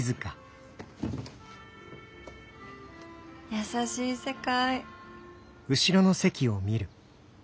優しい世界。